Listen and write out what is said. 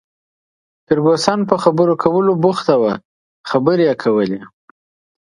فرګوسن په خبرو کولو بوخته وه، خبرې یې کولې.